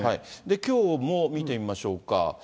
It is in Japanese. きょうも見てみましょうか。